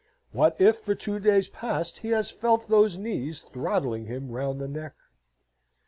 What if for two days past he has felt those knees throttling him round the neck?